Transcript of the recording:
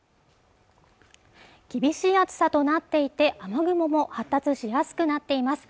厳しい暑さとなっていて雨雲も発達しやすくなっています